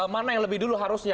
mana yang lebih dulu harusnya